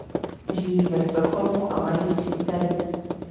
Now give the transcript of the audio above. Žijí ve Stockholmu a mají tři dcery.